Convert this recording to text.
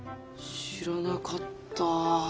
知らなかった。